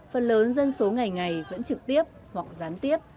phần lớn dân số ngày ngày vẫn trực tiếp hoặc gián tiếp